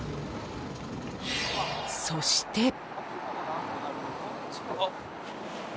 そして。